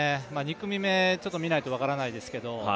２組目見ないと分からないですけど